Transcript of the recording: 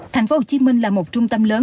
thành phố hồ chí minh là một trung tâm lớn